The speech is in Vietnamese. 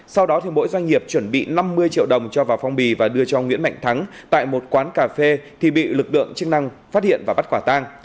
sau đó mỗi doanh nghiệp chuẩn bị năm mươi triệu đồng cho vào phong bì và đưa cho nguyễn mạnh thắng tại một quán cà phê thì bị lực lượng chức năng phát hiện và bắt quả tang